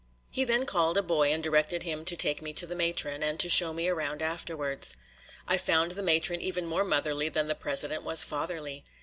He then called a boy and directed him to take me to the matron, and to show me around afterwards. I found the matron even more motherly than the president was fatherly.